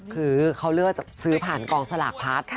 คือเขาเลือกจะซื้อผ่านโกรธ์สลากพาท